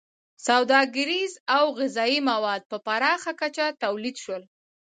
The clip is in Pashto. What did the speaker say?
• سوداګریز او غذایي مواد په پراخه کچه تولید شول.